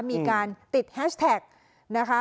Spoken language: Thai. มีการติดแฮชแท็กนะคะ